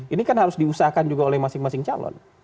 ini kan harus diusahakan juga oleh masing masing calon